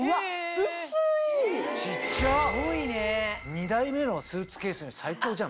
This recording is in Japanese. ２台目のスーツケースに最高じゃない？